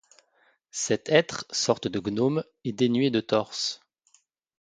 Cet être, sorte de gnome, est dénué de torse.